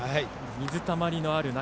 水たまりのある中。